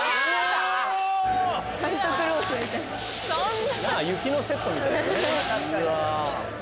なんか雪のセットみたいだよね。